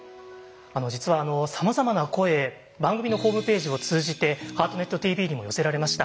実はさまざまな声番組のホームページを通じて「ハートネットＴＶ」にも寄せられました。